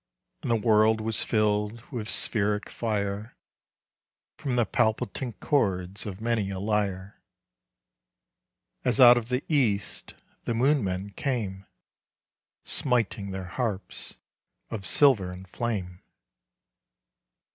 And the world was filled with spheric fire From the palpitant chords of many a lyre, As out of the East the MOONMEN came Smiting their harps of silver and flame.